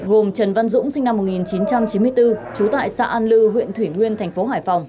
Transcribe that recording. gồm trần văn dũng sinh năm một nghìn chín trăm chín mươi bốn trú tại xã an lư huyện thủy nguyên thành phố hải phòng